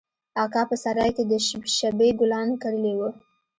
اکا په سراى کښې د شبۍ ګلان کرلي وو.